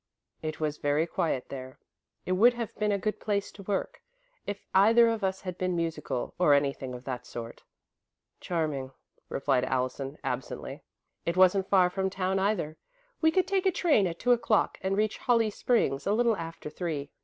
"It was very quiet there. It would have been a good place to work, if either of us had been musical, or anything of that sort." "Charming," replied Allison, absently. "It wasn't far from town, either. We could take a train at two o'clock, and reach Holly Springs a little after three.